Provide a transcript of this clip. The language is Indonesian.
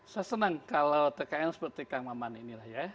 saya senang kalau tkn seperti kang maman ini